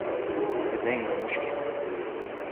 لدينا مشكلة.